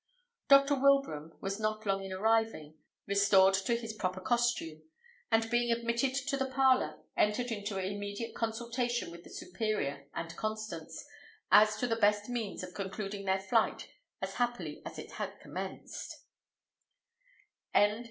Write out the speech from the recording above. Dr. Wilbraham was not long in arriving, restored to his proper costume; and being admitted to the parlour, entered into immediate consultation with the superior and Constance, as to the best means of concluding their flight as happily as it had commenced.